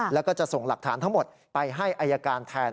แล้วก็จะส่งหลักฐานทั้งหมดไปให้อายการแทน